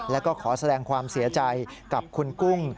แล้วก็ขอแสดงความเสียใจกับคุณกุ้ง